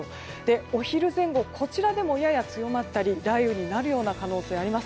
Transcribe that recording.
お昼前後、こちらでもやや強まったり雷雨になる可能性があります。